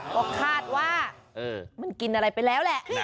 ก็คาดว่ามันกินอะไรไปแล้วแหละ